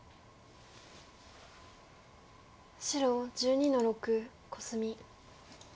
白１２の六コスミ。